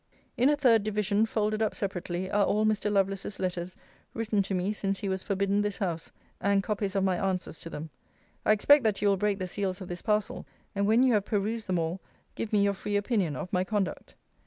In a third division, folded up separately, are all Mr. Lovelace's letters written to me since he was forbidden this house, and copies of my answers to them. I expect that you will break the seals of this parcel, and when you have perused them all, give me your free opinion of my conduct.